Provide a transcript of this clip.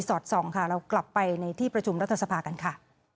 อดส่องค่ะเรากลับไปในที่ประชุมรัฐสภากันค่ะ